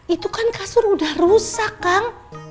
itu kan kasur udah rusak kang